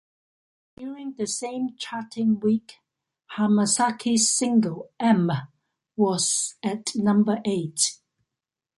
During the same charting week, Hamasaki's single "M" was at number eight.